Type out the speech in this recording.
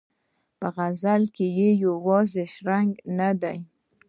په غزل کې یې یوازې شرنګ نه دی.